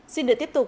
xin được tiếp tục